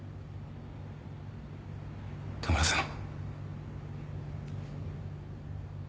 田村さん。